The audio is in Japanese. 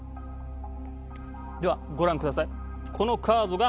では、ご覧ください。